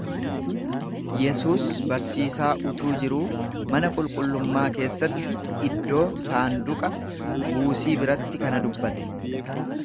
Yesuus barsiisaa utuu jiruu mana qulqullummaa keessatti iddoo saanduqa buusii biratti kana dubbate.